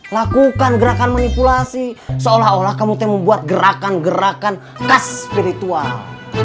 lakukan gerakan manipulasi seolah olah kamu membuat gerakan gerakan khas spiritual